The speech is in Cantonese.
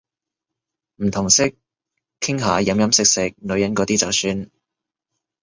唔同色，傾下飲飲食食女人嗰啲就算